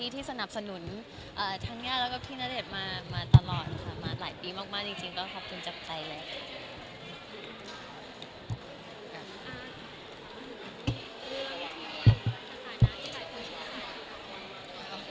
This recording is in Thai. ที่สนับสนุนทั้งย่าและพี่ณเดชน์มาตลอด